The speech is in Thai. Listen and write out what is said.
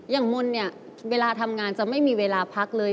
มนต์เนี่ยเวลาทำงานจะไม่มีเวลาพักเลย